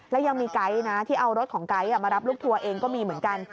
แล้วยังมีไกด์นะที่เอารถของไก๊มารับลูกทัวร์เองก็มีเหมือนกัน